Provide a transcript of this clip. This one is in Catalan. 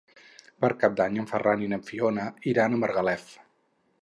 Per Cap d'Any en Ferran i na Fiona iran a Margalef.